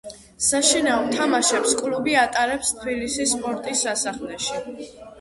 საშინაო თამაშებს კლუბი ატარებს თბილისის სპორტის სასახლეში.